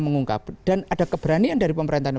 mengungkap dan ada keberanian dari pemerintahan